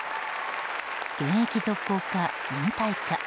現役続行か、引退か。